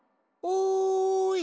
おい！